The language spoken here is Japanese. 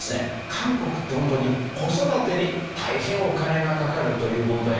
韓国ってホントに子育てに大変お金がかかるという問題があるんですよね。